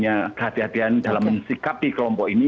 saya berpikirnya itu adalah hal yang harus diperlukan